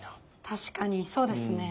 確かにそうですね。